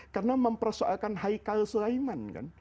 karena mempersoalkan haikal sulaiman